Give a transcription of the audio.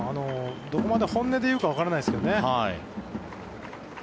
どこまで本音で言うかわからないですけどね。